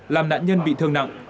làm nạn nhân bị thương nặng